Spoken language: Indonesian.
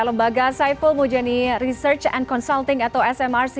lembaga saiful mujani research and consulting atau smrc